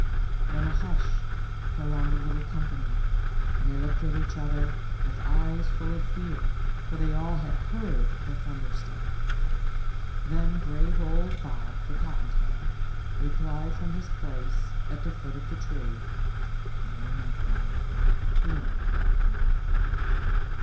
Then a hush fell on the little company, and they looked at each other with eyes full of fear, for all had heard the thunder stick. Then grave old Bob, the cottontail, replied from his place at the foot of the tree, " No, my friend, we are not all here."